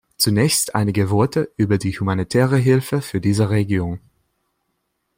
Zunächst einige Worte über die humanitäre Hilfe für diese Region.